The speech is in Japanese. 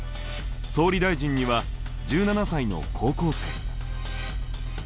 総理大臣には１７才の高校生。